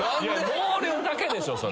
毛量だけでしょそれ。